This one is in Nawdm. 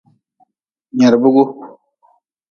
Nyerbigu.